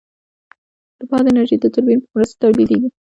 د باد انرژي د توربین په مرسته تولیدېږي.